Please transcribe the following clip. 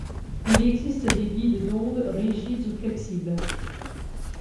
Il existe des guides d'ondes rigides ou flexibles.